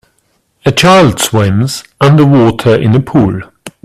A child swims underwater in a pool.